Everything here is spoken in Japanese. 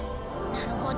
なるほど。